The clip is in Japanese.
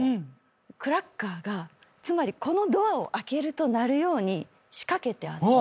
クラッカーがつまりこのドアを開けると鳴るように仕掛けてあって。